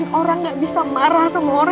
karena gue sudah dari kulkas